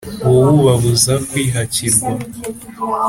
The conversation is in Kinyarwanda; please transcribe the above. wowe ubabuza kwihakirwa